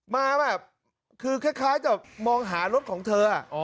มาแบบคือคล้ายจะมองหารถของเธอ